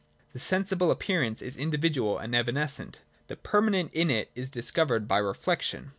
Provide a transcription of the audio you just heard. The sensible appearance is individual and evanescent : the permanent in it is discovered by reflection.